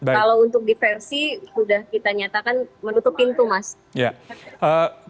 kalau untuk diversi sudah kita nyatakan menutup pintu mas